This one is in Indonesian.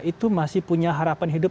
itu masih punya harapan hidup